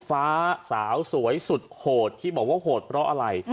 ฟ้าสาวสวยสุดโหดที่บอกว่าโหดเพราะอะไร